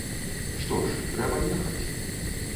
Што ж, трэба ехаць.